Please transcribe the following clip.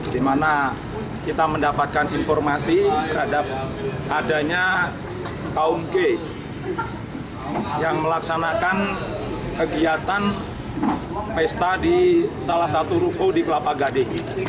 di mana kita mendapatkan informasi terhadap adanya kaum g yang melaksanakan kegiatan pesta di salah satu ruko di kelapa gading